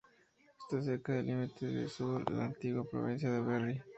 Está cerca del límite sur de la antigua provincia de Berry.